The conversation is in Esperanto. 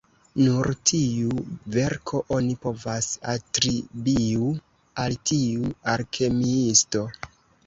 Nur tiu verko oni povas atribiu al tiu alkemiisto.